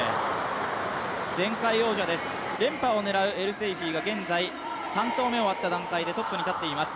前回王者です、連覇を狙うエルセイフィが現在３投目を終わった段階でトップに立っています。